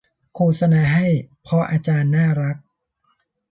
โฆษณาให้เพราะอาจารย์น่ารัก